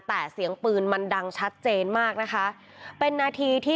แต่เสียงปืนมันดังชัดเจนมากนะคะเป็นนาทีที่